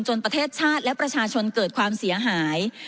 ประเทศชาติและประชาชนเกิดความเสียหาย